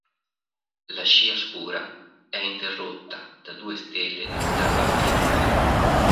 La scia scura è interrotta da due stelle di ottava magnitudine.